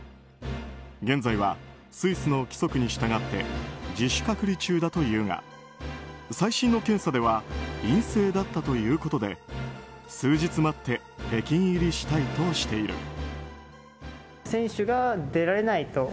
現在はスイスの規則に従って自主隔離中だというが最新の検査では陰性だったということで数日待って北京入りしたいとしている。